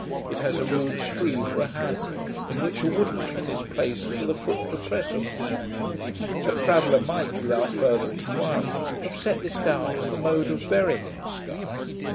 It has a rude tree for a handle, in which a wooden pin is placed for the foot to press upon. A traveller might, without further inquiry, have set this down as the mode of burying in Sky.